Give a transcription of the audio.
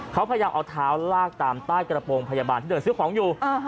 เขาพยายามเอาเท้าลากตามใต้กระโปรงพยาบาลที่เดินซื้อของอยู่